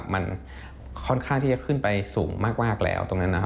มันค่อนข้างที่จะขึ้นไปสูงมากแล้วตรงนั้นนะครับ